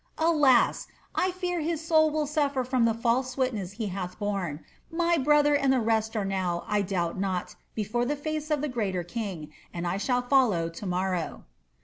Alas ! I fear his soul will suffer from the false witness he hath borne. My brother and the rest arc now, I doubt not, before the face of the greater King, and I shall follow to morrow.'"